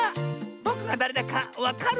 ぼくはだれだかわかるセミ？